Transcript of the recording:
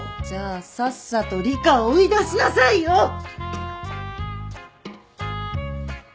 じゃあさっさと理花を追い出しなさいよ！